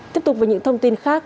tiếp tục với những thông tin khác